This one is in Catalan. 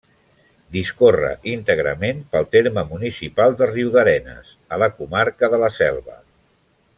Discorre íntegrament pel terme municipal de Riudarenes, a la comarca de la Selva.